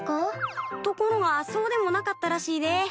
ところがそうでもなかったらしいで。